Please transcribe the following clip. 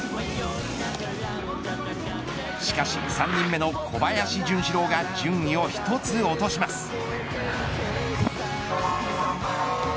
しかし３人目の小林潤志郎が順位を１つ落とします。